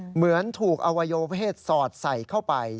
เหมือนถูกอวัยวเพศสอดใส่เข้าไป